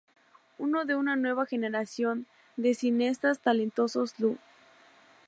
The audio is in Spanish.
Uno de una nueva generación de cineastas talentosos, Lu.